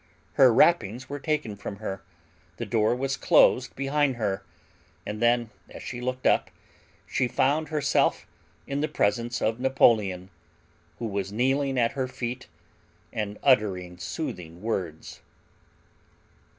Her wrappings were taken from her, the door was closed behind her; and then, as she looked up, she found herself in the presence of Napoleon, who was kneeling at her feet and uttering soothing words.